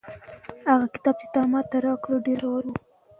هغه کتاب چې تا ماته راکړ ډېر ګټور و.